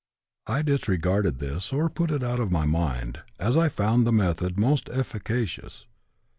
I disregarded this, or put it out of my mind, as I found the method most efficacious.